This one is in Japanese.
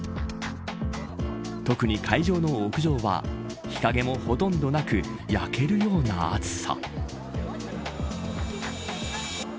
特に会場の屋上は日陰もほとんどなく焼けるような暑さ。